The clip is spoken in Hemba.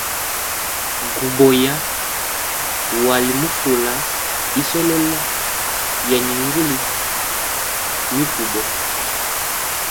Guboya wali mu fula isololo ya ningili mikubo.